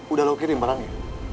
udah lo kirim barangnya